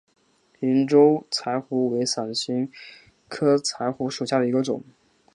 银州柴胡为伞形科柴胡属下的一个种。